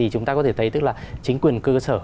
chúng ta có thể thấy chính quyền cơ sở